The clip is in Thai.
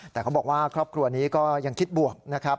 แต่เขาบอกว่าครอบครัวนี้ก็ยังคิดบวกนะครับ